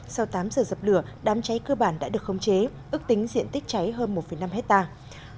sau tám giờ dập lửa đám cháy cơ bản đã được khống chế ước tính diện tích cháy hơn một năm hectare